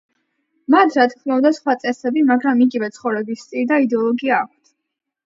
მათ რა თქმა უნდა სხვა წესები მაგრამ იგივე ცხოვრების სტილი და იდეოლოგია აქვთ.